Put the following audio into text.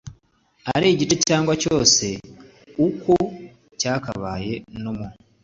ari igice cyangwa cyose uko cyakabaye no mu